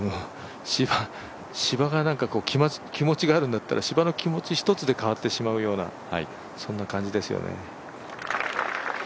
芝が気持ちがあるんだったら芝の気持ち一つで変わってしまうような、そんな感じですよね。